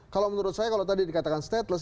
kalau menurut saya kalau tadi dikatakan stateless